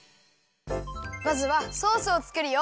まずはソースをつくるよ。